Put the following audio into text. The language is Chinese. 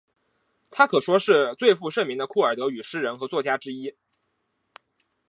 她可说是最负盛名的库尔德语诗人和作家之一。